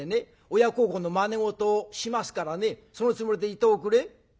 親孝行のまね事をしますからねそのつもりでいておくれ」。